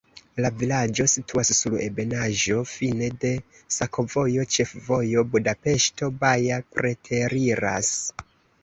La vilaĝo situas sur ebenaĵo, fine de sakovojo, ĉefvojo Budapeŝto-Baja preteriras.